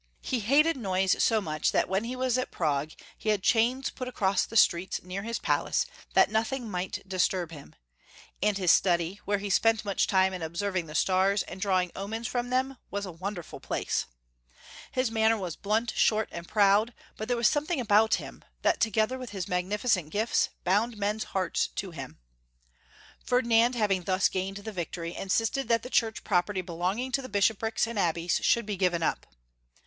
He hated noise so much, that when he was at Prague he had ^■hdns put acroas the streets near hia palace that nothing might disturb him, and his study, where he spent much time iu observing the stars, and draw ing omens from them, was a wonderful place. His Ferdinand II. 843 manner was blunt, short, and proud, but there was something about him that, together with his mag nificent gifts, bound men's hearts to him. Ferdinand, having thus gained the victory, insis ted that the Church property belonging to bishop rics and abbeys should be given up.